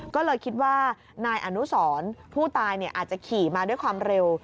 ก็เลยคิดว่านายอนุสรผู้ตายอาจจะขี่มาด้วยความเร็ว